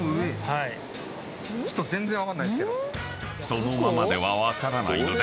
［そのままでは分からないので］